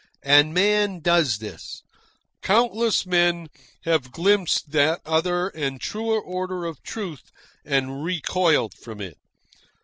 And man does this. Countless men have glimpsed that other and truer order of truth and recoiled from it.